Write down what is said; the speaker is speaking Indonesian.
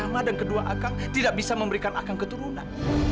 pertama dan kedua akang tidak bisa memberikan akang keturunan